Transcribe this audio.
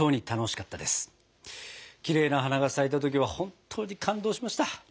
きれいな花が咲いた時は本当に感動しました！